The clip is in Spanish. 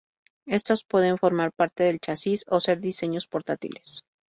Estas pueden formar parte del chasis o ser diseños portátiles.